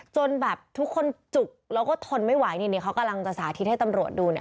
จนแบบทุกคนจุกแล้วก็ทนไม่ไหวนี่เขากำลังจะสาธิตให้ตำรวจดูเนี่ย